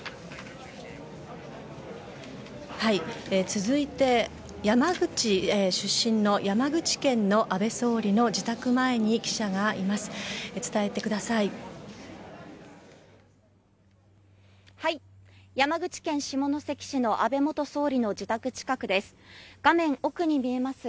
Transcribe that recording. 続いて、山口出身の山口県の安倍元総理の自宅に記者がいます。